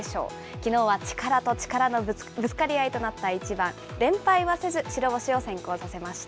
きのうは力と力のぶつかり合いとなった一番、連敗はせず、白星を先行させました。